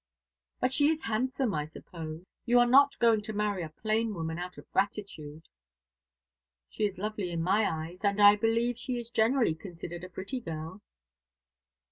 "But she is handsome, I suppose? You are not going to marry a plain woman, out of gratitude!" "She is lovely in my eyes; and I believe she is generally considered a pretty girl."